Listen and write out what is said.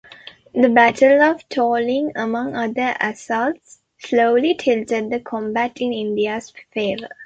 The Battle of Tololing, among other assaults, slowly tilted the combat in India's favour.